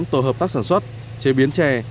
tám tổ hợp tác sản xuất chế biến chè